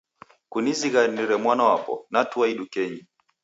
Kunizighanire mwana wapo, natua idukenyi.